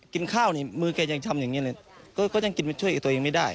กินข้าวนี่มือแกยังชำอย่างนี้เลยก็ยังกินช่วยตัวเองไม่ได้